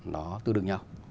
nó tư đương nhau